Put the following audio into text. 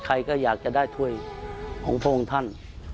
ใครก็อยากจะได้ถ้วยของพวกงศาล